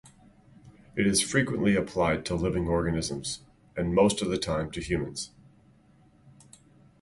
It is frequently applied to living organisms, and most of the time to humans.